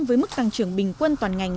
với mức tăng trưởng bình quân toàn ngành